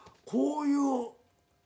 こういう。